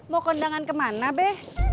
mau kondangan kemana be